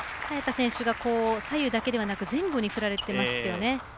早田選手が左右だけでなく前後に振られてますよね。